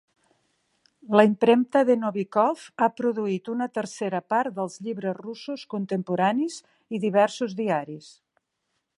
La impremta de Novikov ha produït una tercera part dels llibres russos contemporanis i diversos diaris.